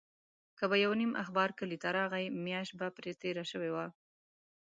که به یو نیم اخبار کلي ته راغی، میاشت به پرې تېره شوې وه.